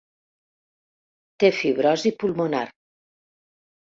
Té fibrosi pulmonar.